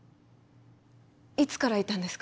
いつからいたんですか？